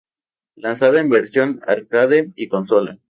Lanzada en versión Arcade y consola.